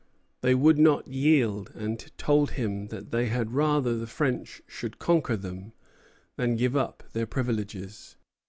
They would not yield, and told him "that they had rather the French should conquer them than give up their privileges."